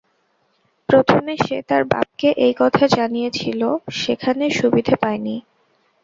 প্রথমে সে তার বাপকে এই কথা জানিয়েছিল, সেখানে সুবিধে পায় নি।